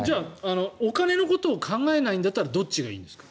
お金のことを考えないんだったらどっちがいいんですか？